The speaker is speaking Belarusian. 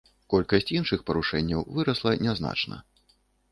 Колькасць іншых парушэнняў вырасла не значна.